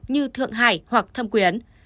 như thượng hải hoặc thâm quyến